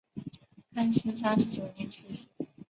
康熙三十九年去世。